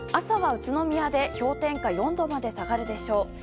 朝は宇都宮で氷点下４度まで下がるでしょう。